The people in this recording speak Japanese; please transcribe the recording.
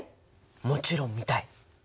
もちろん見たい！